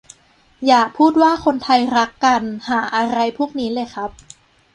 อย่าพูดว่าคนไทยรักกัน ห่าอะไรพวกนี้เลยครับ